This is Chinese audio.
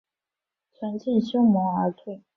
存敬修盟而退。